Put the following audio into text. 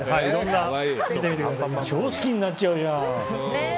超好きになっちゃうじゃん！